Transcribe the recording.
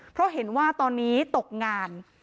เพราะเห็นว่าตอนนี้ตกงาน